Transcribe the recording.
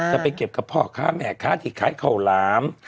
จะไปเก็บกับพ่อค้าแม่ค้าที่ขายข้าวหลาม